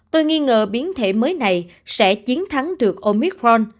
tôi nghi ngờ biến thể mới này sẽ chiến thắng được omicron